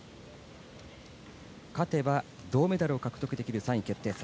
勝てば銅メダルを獲得できる３位決定戦。